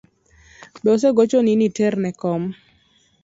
Be osegochoni ni iter ne kom?